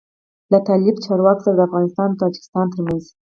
له طالب چارواکو سره د افغانستان او تاجکستان تر منځ